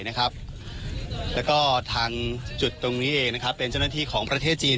แล้วก็ทางจุดตรงนี้เองเป็นเจ้าหน้าที่ของประเทศจีน